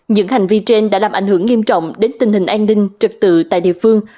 những hành vi trên đã làm ảnh hưởng nghiêm trọng đến tình hình an ninh trực tự tại địa phương